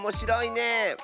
ねえ。